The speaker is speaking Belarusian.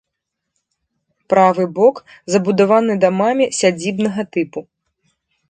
Правы бок забудаваны дамамі сядзібнага тыпу.